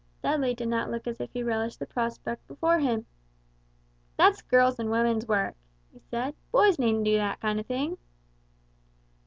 Dudley did not look as if he relished the prospect before him. "That's girls' and women's work," he said; "boys needn't do that kind of thing."